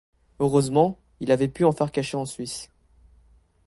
Heureusement, il avait pu en faire cacher en Suisse.